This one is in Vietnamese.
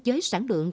với sản lượng